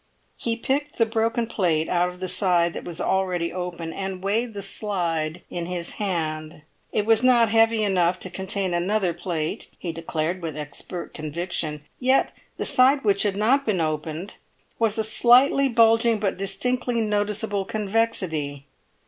He picked the broken plate out of the side that was already open, and weighed the slide in his hand; it was not heavy enough to contain another plate, he declared with expert conviction; yet the side which had not been opened was a slightly bulging but distinctly noticeable convexity.